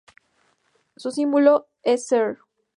Su símbolo es sr.